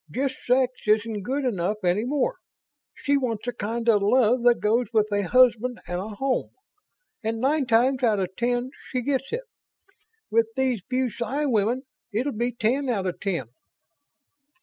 Just sex isn't good enough any more. She wants the kind of love that goes with a husband and a home, and nine times out of ten she gets it. With these BuSci women it'll be ten out of ten."